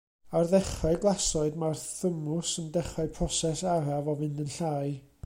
Ar ddechrau glasoed mae'r thymws yn dechrau proses araf o fynd yn llai.